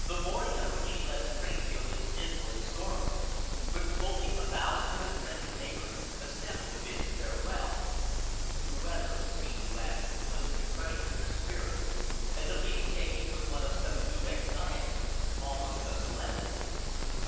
The morning on which he left Springfield was dismal and stormy, but fully a thousand of his friends and neighbors assembled to bid him farewell. The weather seemed to add to the gloom and depression of their spirits, and the leave taking was one of subdued anxiety, almost of solemnity.